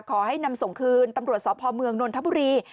ขอให้นำส่งคืนตำรวจสพเมืองนนทบุรี